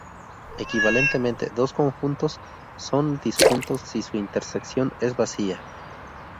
Equivalentemente, dos conjuntos son disjuntos si su intersección es vacía.